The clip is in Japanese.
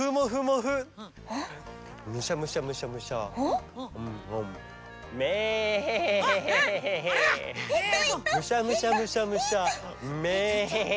むしゃむしゃむしゃむしゃメエ。